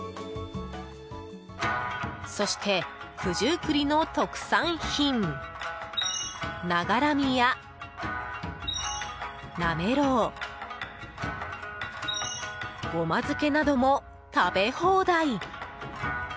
そして九十九里の特産品ながらみや、なめろうごま漬けなども食べ放題。